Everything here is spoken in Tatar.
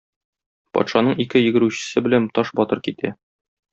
Патшаның ике йөгерүчесе белән Таш батыр китә.